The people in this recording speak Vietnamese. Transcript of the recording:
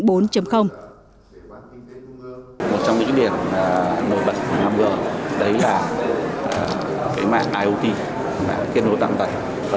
một trong những điểm nổi bật của năm g là mạng iot mạng kết nối tăng tầng